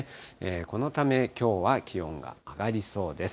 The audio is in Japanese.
このため、きょうは気温が上がりそうです。